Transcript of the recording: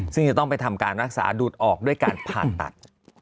ซึ่งจะต้องไปทำการรักษาดูดออกด้วยการผ่าตัด